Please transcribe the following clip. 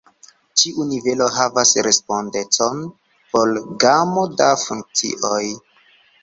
Ĉiu nivelo havas respondecon por gamo da funkcioj.